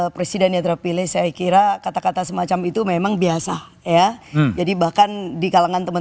presiden yang terpilih saya kira kata kata semacam itu memang biasa ya jadi bahkan di kalangan teman